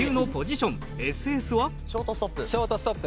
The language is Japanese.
ショートストップ。